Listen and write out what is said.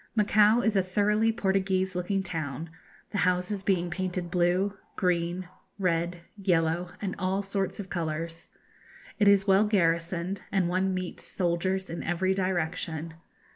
Macao is a thoroughly Portuguese looking town, the houses being painted blue, green, red, yellow, and all sorts of colours. It is well garrisoned, and one meets soldiers in every direction.